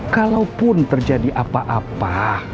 kalaupun terjadi apa apa